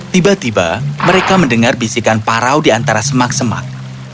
tiba tiba mereka mendengar bisikan parau di antara semak semak